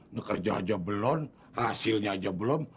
ngekerja aja belum hasilnya aja belum